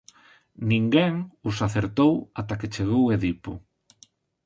Ninguén os acertou ata que chegou Edipo.